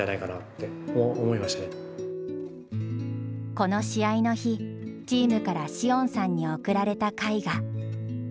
この試合の日チームから詩音さんに贈られた絵画。